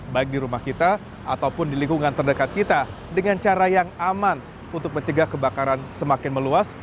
baik di rumah kita ataupun di lingkungan terdekat kita dengan cara yang aman untuk mencegah kebakaran semakin meluas